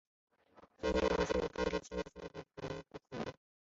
斯基龙是该地区所出土的唯一恐龙。